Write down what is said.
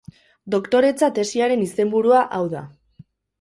Doktoretza tesiaren izenburua hau da.